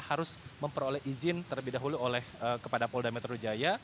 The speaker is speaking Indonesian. harus memperoleh izin terlebih dahulu oleh kepada polda metro jaya